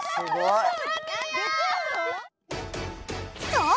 そう！